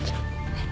えっ？